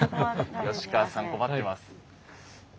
吉川さん困ってます。